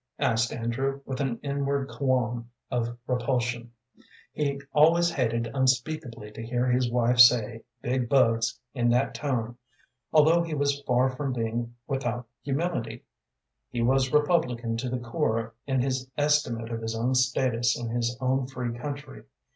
asked Andrew, with an inward qualm of repulsion. He always hated unspeakably to hear his wife say "big bugs" in that tone. Although he was far from being without humility, he was republican to the core in his estimate of his own status in his own free country.